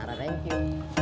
nara thank you